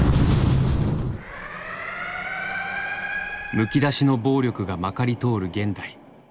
むき出しの暴力がまかり通る現代。